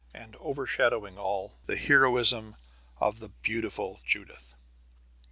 And overshadowing all, the heroism of the beautiful Judith."